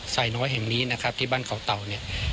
สายน้อยแห่งนี้นะครับที่บ้านเขาเต่าเนี่ย